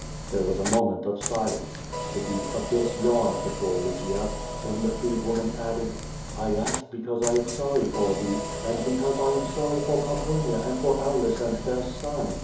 There was a moment of silence. The deep abyss yawned before Lygia. Then the freed woman added: "I ask because I am sorry for thee, and because I am sorry for Pomponia and for Aulus and their son.